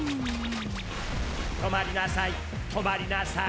とまりなさい！